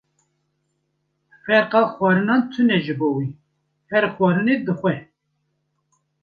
Ferqa xwarinan tune ji bo wî, her xwarinê dixwe.